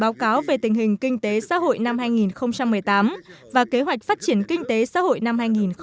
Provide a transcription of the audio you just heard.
báo cáo về tình hình kinh tế xã hội năm hai nghìn một mươi tám và kế hoạch phát triển kinh tế xã hội năm hai nghìn một mươi chín